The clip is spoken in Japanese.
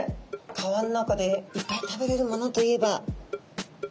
川の中でいっぱい食べれるものといえば。